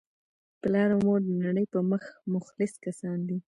پلار او مور دنړۍ په مخ مخلص کسان دي